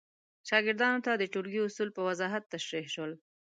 شاګردانو ته د ټولګي اصول په وضاحت تشریح شول.